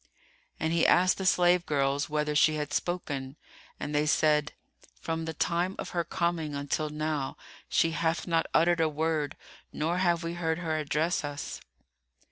And he asked the slave girls whether she had spoken, and they said, "From the time of her coming until now she hath not uttered a word nor have we heard her address us."